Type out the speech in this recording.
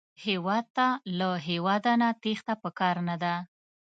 هېواد ته له هېواده نه تېښته پکار نه ده